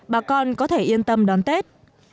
bà con có thể yên tâm đón tết